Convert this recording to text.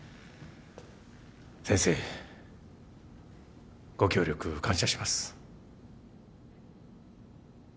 先生ご協力感謝します。